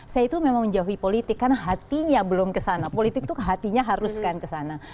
saya itu memang menjauhi politik karena hatinya belum kesana politik itu hatinya haruskan kesana